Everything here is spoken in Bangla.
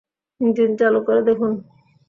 ইঞ্জিন চালু করে দেখুন।